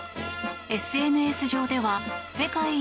ＳＮＳ上では世界一